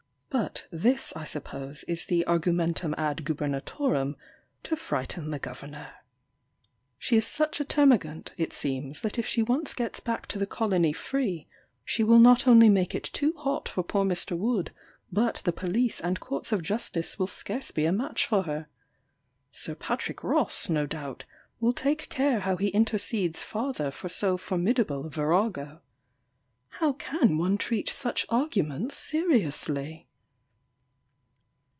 But this, I suppose, is the argumentum ad gubernatorem to frighten the governor. She is such a termagant, it seems, that if she once gets back to the colony free, she will not only make it too hot for poor Mr. Wood, but the police and courts of justice will scarce be a match for her! Sir Patrick Ross, no doubt, will take care how he intercedes farther for so formidable a virago! How can one treat such arguments seriously?